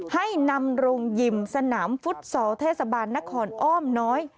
ให้นำโรงยิมสนามฟุตซอลเทศบาลนครอ้อมน้อย